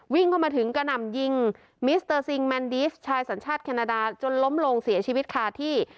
วิ่งเข้ามาถึงกระหน่ำยิงมิสเตอร์ซิงแมนดิสชายสัญชาติแคนาดาจนล้มลงเสียชีวิตคาที่